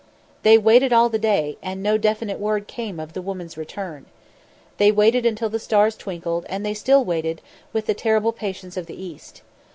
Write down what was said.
They waited all the day, and no definite word came of the woman's return. They waited until the stars twinkled and they still waited with the terrible patience of the East.